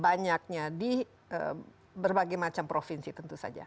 banyaknya di berbagai macam provinsi tentu saja